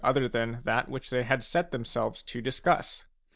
other than that which they had set themselves to discuss.